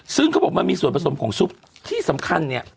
ซึ่งเขาบอกมันมีส่วนผสมของซุปที่สำคัญเนี่ย